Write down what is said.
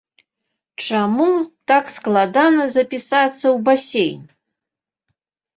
Чаму так складана запісацца ў басейн?